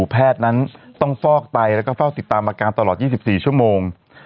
แพทย์นั้นต้องฟอกไตแล้วก็เฝ้าติดตามอาการตลอด๒๔ชั่วโมง